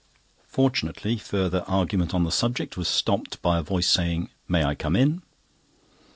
Fortunately, further argument on the subject was stopped by a voice saying, "May I come in?"